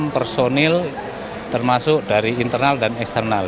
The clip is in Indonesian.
satu ratus tiga puluh enam personil termasuk dari internal dan eksternal